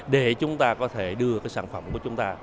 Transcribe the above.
để chúng ta có thể đưa cái sản phẩm của chúng ta